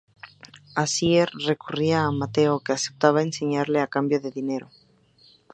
Asier recurrirá a Mateo, que acepta enseñarle a cambio de dinero.